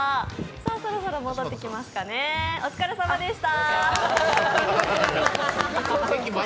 そろそろ戻ってきますかね、お疲れさまでした。